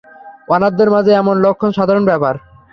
অনাথদের মাঝে এমন লক্ষণ সাধারণ ব্যাপার।